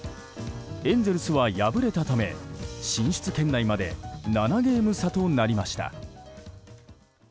エンゼルスは敗れたため進出圏内まで７ゲーム差となりました。